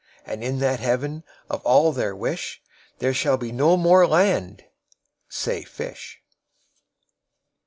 33And in that Heaven of all their wish,34There shall be no more land, say fish.